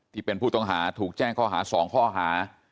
ที่เป็นผู้ต้องหาถูกแจ้งข้อหา๒ข้อหา